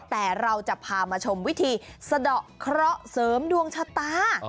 แต่เราจะพามาชมวิธีสะดอกเคราะห์เสริมดวงชะตา